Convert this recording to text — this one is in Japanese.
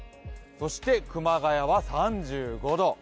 そして熊谷は３５度。